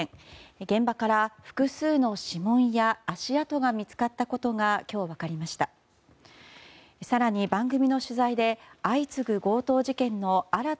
現場から複数の指紋や足跡が見つかったことが今日、分かりました。